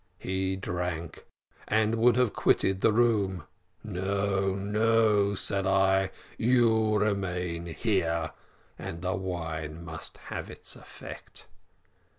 "He drank, and would then have quitted the room. `No, no,' said I, `you remain herd, and the wine must have its effect.